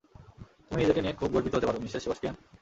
তুমি নিজেকে নিয়ে খুব গর্বিত হতে পারো, মিসেস সেবাস্টিয়ান।